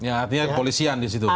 artinya kepolisian di situ